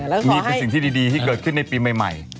แล้วขอให้นี่เป็นสิ่งที่ดีที่เกิดขึ้นในปีใหม่